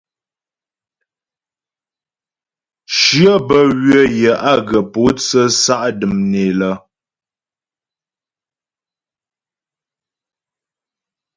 Shyə bə́ ywə̌ yə á ghə pǒtsə sa' dəm né lə.